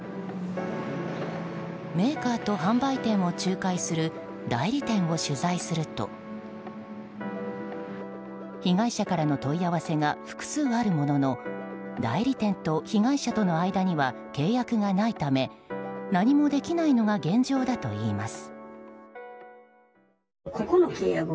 メーカーと販売店を仲介する代理店を取材すると被害者からの問い合わせが複数あるものの代理店と被害者との間には契約がないため何もできないのが現状だといいます。